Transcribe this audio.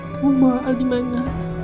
kamu bawa al dimana